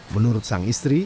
menurut sang istri